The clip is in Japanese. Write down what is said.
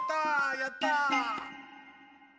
やった！